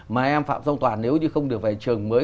mà em phạm dông toàn nếu như không được về trường mới